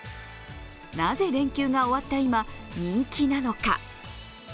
なぜ連休が終わった今、人気なのか。